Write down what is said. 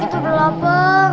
kita udah lapeng